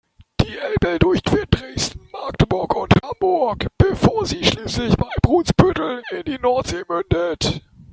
Die Elbe durchquert Dresden, Magdeburg und Hamburg, bevor sie schließlich bei Brunsbüttel in die Nordsee mündet.